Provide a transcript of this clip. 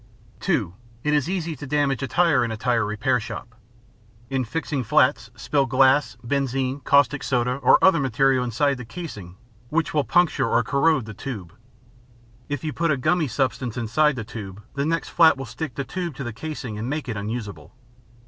(2) It is easy to damage a tire in a tire repair shop: In fixing flats, spill glass, benzine, caustic soda, or other material inside the casing which will puncture or corrode the tube. If you put a gummy substance inside the tube, the next flat will stick the tube to the casing and make it unusable.